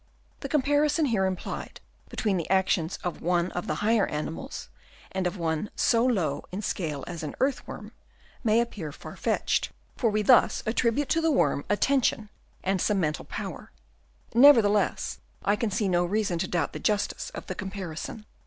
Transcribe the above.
The comparison here implied between the actions of one of the higher animals and of one so low in the scale as an earth worm, may appear far Chap. I. THEIR SENSES. 25 fetched ; for we thus attribute to the worm attention and some mental power, neverthe less I can see no reason to doubt the justice of the comparison.